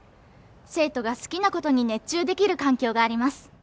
生徒が好きなことに熱中できる環境があります。